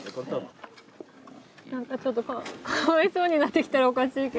何かちょっとかわいそうになってきたらおかしいけど。